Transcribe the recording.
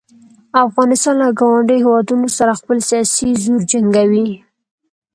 افغانستان له ګاونډیو هیوادونو سره خپل سیاسي زور جنګوي.